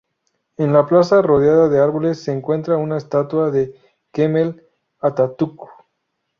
En la plaza rodeada de árboles se encuentra una estatua de Kemal Atatürk.